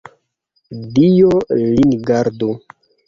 Dio lin gardu!